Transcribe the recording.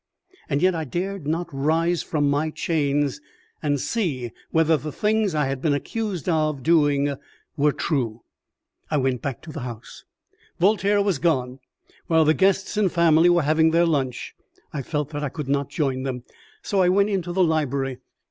And yet I dared not rise from my chains, and see whether the things I had been accused of doing were true. I went back to the house. Voltaire was gone, while the guests and family were having their lunch. I felt that I could not join them, so I went into the library.